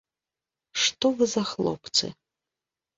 Што вы за хлопцы?